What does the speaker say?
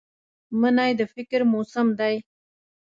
مني د فکر موسم دی